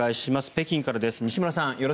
北京からです。